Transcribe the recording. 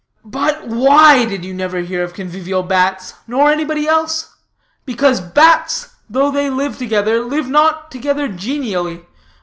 "But why did you never hear of convivial bats, nor anybody else? Because bats, though they live together, live not together genially.